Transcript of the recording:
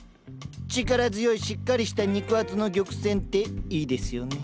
力強いしっかりした肉厚の玉扇っていいですよね。